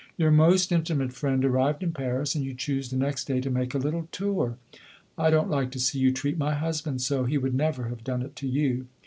Your most intimate friend arrived in Paris, and you choose the next day to make a little tour! I don't like to see you treat my husband so; he would never have done it to you.